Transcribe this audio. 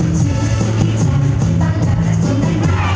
ไม่เร็กรีบว่าอยากจะจัดในสุขีดีไหม